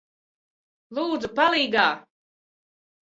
Lūdzu, palīgā!